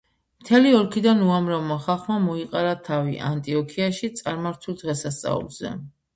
მთელი ოლქიდან უამრავმა ხალხმა მოიყარა თავი ანტიოქიაში, წარმართულ დღესასწაულზე.